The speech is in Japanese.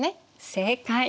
正解。